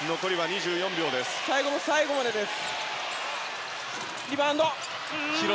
最後の最後までです。